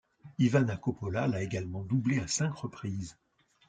Ivana Coppola l'a également doublé à cinq reprises.